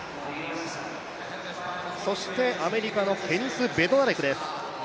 そしてアメリカのケニス・ベドナレクです。